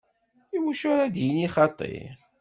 Iwacu ara d-yini xaṭi?